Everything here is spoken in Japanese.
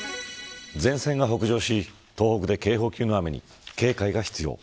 前線が北上し東北で警報級の雨に警戒が必要。